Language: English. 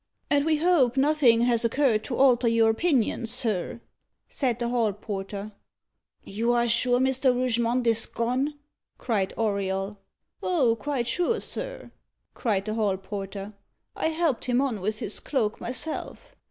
"And we hope nothing has occurred to alter your opinion, sir?" said the hall porter. "You are sure Mr. Rougemont is gone?" cried Auriol. "Oh, quite sure, sir," cried the hall porter. "I helped him on with his cloak myself.